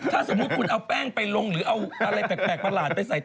ถ้าสมมุติคุณเอาแป้งไปลงหรือเอาอะไรแปลกประหลาดไปใส่